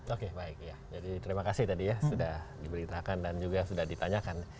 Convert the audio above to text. oke baik ya jadi terima kasih tadi ya sudah diberitakan dan juga sudah ditanyakan